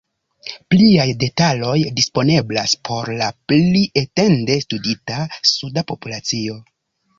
Pliaj detaloj disponeblas por la pli etende studita suda populacio.